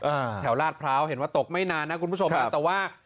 อ่าแถวลาดพร้าวเห็นว่าตกไม่นานนะคุณผู้ชมฮะแต่ว่า